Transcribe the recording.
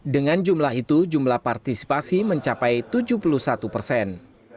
dengan jumlah itu jumlah partisipasi mencapai tujuh puluh satu persen